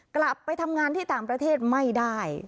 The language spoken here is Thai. กลับไปทำงานที่ต่างประเทศไม่ได้